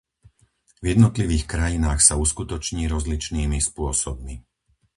V jednotlivých krajinách sa uskutoční rozličnými spôsobmi.